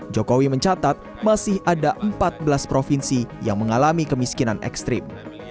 jokowi mencatat masih ada empat belas provinsi yang mengalami kemiskinan ekstrim